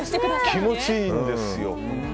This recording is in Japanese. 気持ちいいんですよ。